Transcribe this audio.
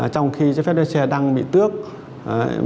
trong khi giấy phép lái xe đang bị tổn thương